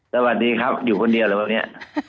สวัสดีครับอยู่คนเดียวอะไรแบบนี้